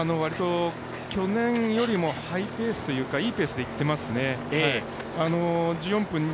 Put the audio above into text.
去年よりもハイペースというかいいペースでいっていますね